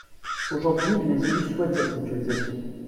Aujourd’hui, les élus souhaitent cette mutualisation.